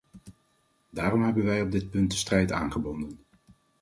Daarom hebben wij op dit punt de strijd aangebonden.